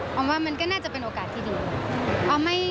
ว่ามันก็น่าจะเป็นโอกาสที่ดี